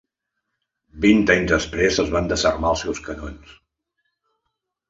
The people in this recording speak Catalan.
Vint anys després, es van desarmar els seus canons.